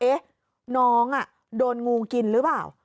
น้องโดนงูกินหรือเปล่า